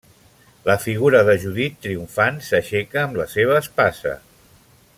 La figura de Judit triomfant s'aixeca amb la seva espasa.